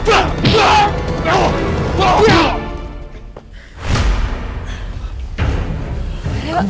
siapa kalian jangan ikut campur urusan kami